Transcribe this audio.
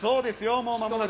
もうまもなく。